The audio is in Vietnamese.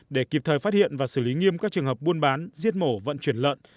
để kịp thời phát hiện và xử lý nghiêm các trường hợp buôn bán giết mổ vận chuyển lợn